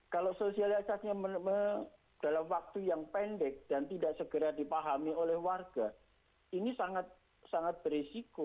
kalau sosialisasinya dalam waktu yang pendek dan tidak segera dipahami oleh warga ini sangat berisiko